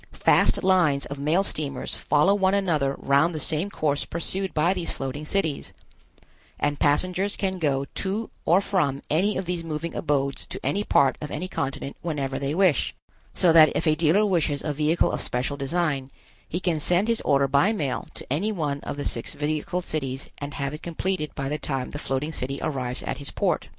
Fast lines of mail steamers follow one another around the same course pursued by these floating cities, and passengers can go to or from any of these moving abodes to any part of any continent whenever they wish; so that if a dealer wishes a vehicle of special design, he can send his order by mail to any one of the six vehicle cities and have it completed by the time the floating city arrives at his port.